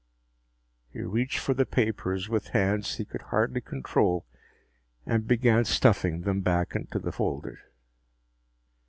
He reached for the papers with hands he could hardly control and began stuffing them back into the folder.